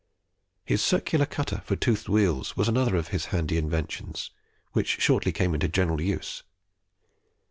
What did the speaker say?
His circular cutter for toothed wheels was another of his handy inventions, which shortly came into general use.